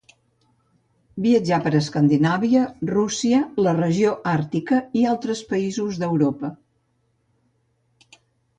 Viatjà per Escandinàvia, Rússia, la regió àrtica i altres països d'Europa.